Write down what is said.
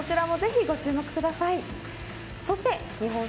こちらもぜひご注目ください。